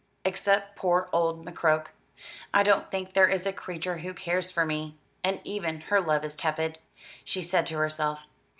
"Except poor old McCroke, I don't think there is a creature who cares for me; and even her love is tepid," she said to herself.